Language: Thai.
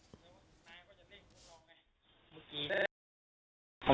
อยู่บ้านเขาเขาอยู่บ้านเจ้านะครับเขาอยู่บ้านเขา